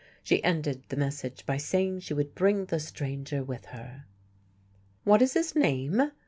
She ended the message by saying she would bring the stranger with her. "What is his name?"